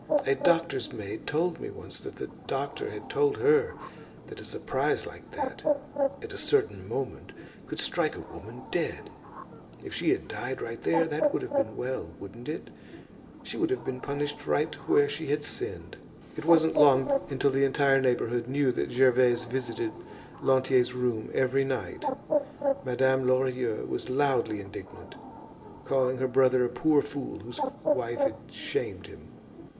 A doctor's maid told me once that the doctor had told her that a surprise like that, at a certain moment, could strike a woman dead. If she had died right there, that would have been well, wouldn't it? She would have been punished right where she had sinned." It wasn't long until the entire neighborhood knew that Gervaise visited Lantier's room every night. Madame Lorilleux was loudly indignant, calling her brother a poor fool whose wife had shamed him.